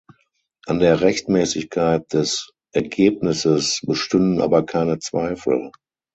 An der Rechtmäßigkeit des Ergebnisses bestünden aber keine Zweifel.